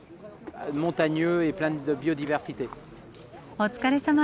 お疲れさま。